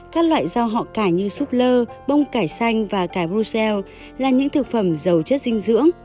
các loại rau họ cải như súp lơ bông cải xanh và cải brusele là những thực phẩm giàu chất dinh dưỡng